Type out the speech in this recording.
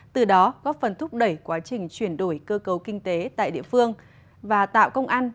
từ đó góp phần thúc đẩy quá trình chuyển đổi cơ cấu kinh tế tại địa phương và tạo công ăn